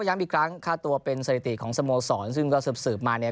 ย้ำอีกครั้งค่าตัวเป็นสถิติของสโมสรซึ่งก็สืบมาเนี่ย